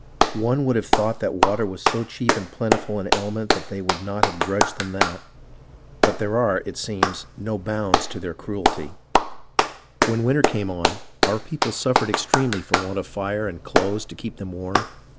One would have thought that water was so cheap and plentiful an element that they would not have grudged them that. But there are, it seems, no bounds to their cruelty. TRENTON AND PRINCETON 151 "When winter came on, our people suffered extremely for want of fire and clothes to keep them warm.